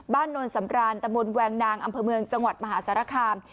นวลสำรานตะมนต์แวงนางอำเภอเมืองจังหวัดมหาสารคาม